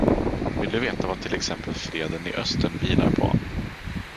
Vill du veta vad till exempel freden i Östern vilar på?